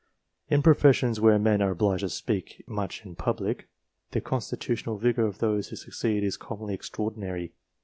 In professions where men are obliged to speak much in public, the constitutional vigour of those who succeed is commonly extraordinary.